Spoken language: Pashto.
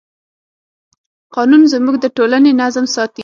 قانون زموږ د ټولنې نظم ساتي.